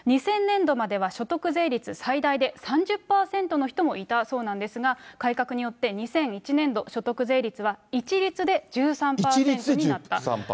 ２０００年度までは所得税率最大で３０％の人もいたそうなんですが、改革によって２００１年度、所得税率は一律で１３％になった。